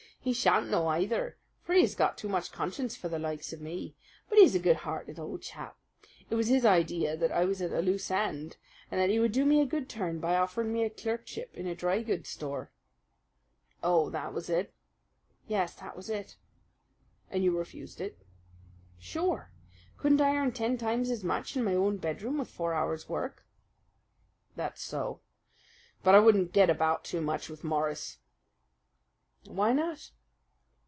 He shan't know either; for he has got too much conscience for the likes of me. But he's a good hearted old chap. It was his idea that I was at a loose end, and that he would do me a good turn by offering me a clerkship in a drygoods store." "Oh, that was it?" "Yes, that was it." "And you refused it?" "Sure. Couldn't I earn ten times as much in my own bedroom with four hours' work?" "That's so. But I wouldn't get about too much with Morris." "Why not?"